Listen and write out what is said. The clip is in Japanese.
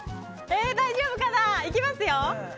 大丈夫かな？いきますよ！